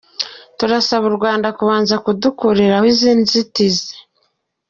Turasaba u Rwanda kubanza kudukuriraho izi nzitizi.